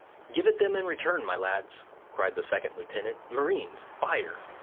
"Give it them in return, my lads," cried the second lieutenant; "marines, fire."